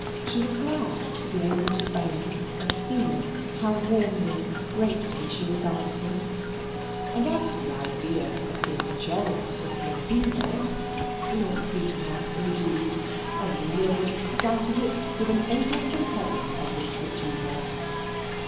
She was glad to be able to own and feel how warmly and gratefully she regarded him and as for the idea of being jealous of Glorvina (Glorvina, indeed!), Amelia would have scouted it, if an angel from heaven had hinted it to her.